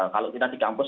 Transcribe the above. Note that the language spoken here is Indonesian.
kalau kita di kampus